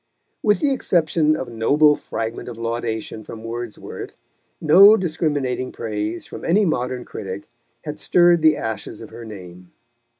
With the exception of a noble fragment of laudation from Wordsworth, no discriminating praise from any modern critic had stirred the ashes of her name.